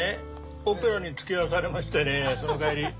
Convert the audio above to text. オペラにつきあわされましてねその帰り。